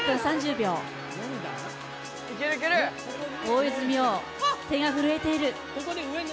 大泉洋、手が震えている。